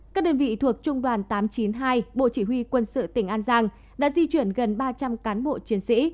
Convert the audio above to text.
các đơn vị thuộc trung đoàn tám trăm chín mươi hai bộ chỉ huy quân sự tỉnh an giang đã di chuyển gần ba trăm linh cán bộ chiến sĩ